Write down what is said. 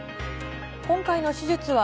今回の手術は、